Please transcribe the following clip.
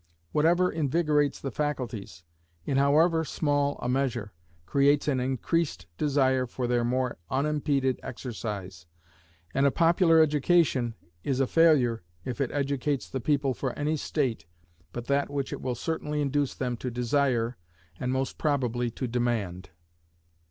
Whatever invigorates the faculties, in however small a measure, creates an increased desire for their more unimpeded exercise; and a popular education is a failure if it educates the people for any state but that which it will certainly induce them to desire, and most probably to demand.